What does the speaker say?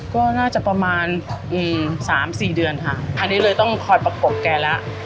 ก็น่าจะประมาณ๓๔เดือนค่ะคราวนี้เลยต้องคอยประกบแกแล้ว